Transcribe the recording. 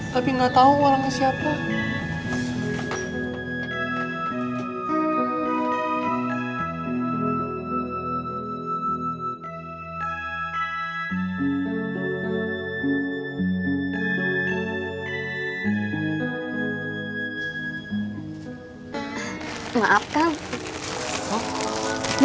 tapi enggak tahu orangnya siapa